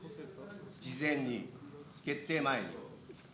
事前に、決定前に。